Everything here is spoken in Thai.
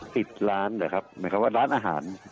ติดร้านเหรอครับหมายความว่าร้านอาหาร